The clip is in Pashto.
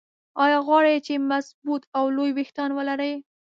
ايا غواړئ چې مضبوط او لوى ويښتان ولرى؟